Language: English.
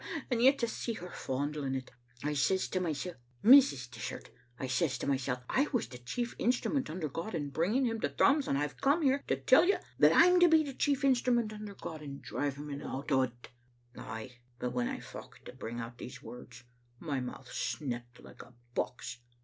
and yet to see her fondling it! I says to mysel', *Mrs. Dishart,' I says to mysel', *I was the chief instrument under God in bringing him to Thrums, and I've come here to tell you that I'm to be the chief instrument under God in driving him out o't. ' Ay, but when I focht to bring out these words, my mouth snecked like a box.